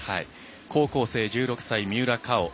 高校生、１６歳三浦佳生。